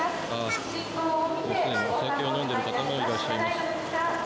もうすでにお酒を飲んでいる方もいらっしゃいます。